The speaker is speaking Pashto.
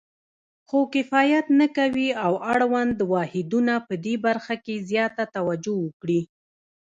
خو کفایت نه کوي او اړوند واحدونه پدې برخه کې زیاته توجه وکړي.